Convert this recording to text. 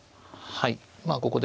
はい。